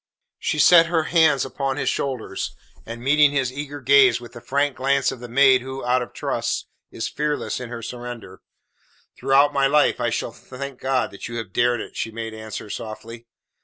She set her hands upon his shoulders, and meeting his eager gaze with the frank glance of the maid who, out of trust, is fearless in her surrender: "Throughout my life I shall thank God that you have dared it," she made answer softly.